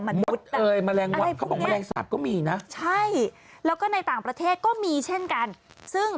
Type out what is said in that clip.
มดหรืออะไรอย่างนี้ทุกอย่าง